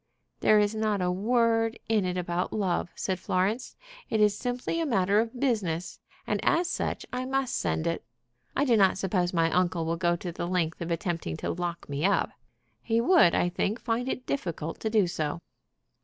"There is not a word in it about love," said Florence. "It is simply a matter of business, and as such I must send it. I do not suppose my uncle will go to the length of attempting to lock me up. He would, I think, find it difficult to do so."